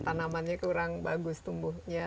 tanamannya kurang bagus tumbuhnya